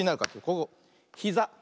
ここひざ。